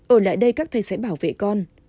ở lại đây các thầy sẽ bảo vệ con